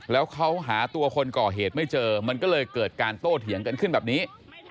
แล้วเขาหาตัวคนก่อเหตุไม่เจอมันก็เลยเกิดการโต้เถียงกันขึ้นแบบนี้